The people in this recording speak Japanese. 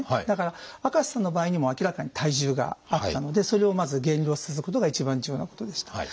だから赤瀬さんの場合にはもう明らかに体重があったのでそれをまず減量させることが一番重要なことでした。